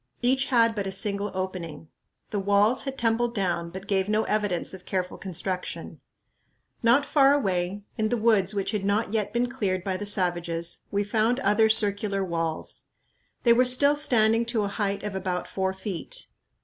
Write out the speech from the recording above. Each had but a single opening. The walls had tumbled down, but gave no evidence of careful construction. Not far away, in woods which had not yet been cleared by the savages, we found other circular walls. They were still standing to a height of about four feet.